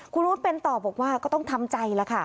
คุณอู๋ดเป็นตอบบอกว่าก็ต้องทำใจละค่ะ